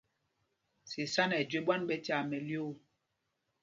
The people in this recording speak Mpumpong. Sisána ɛ jüe ɓwán ɓɛ̄ tyaa mɛlyoo.